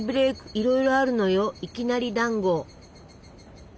いろいろあるのよいきなりだんご！